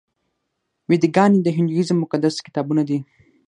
ویداګانې د هندویزم مقدس کتابونه دي.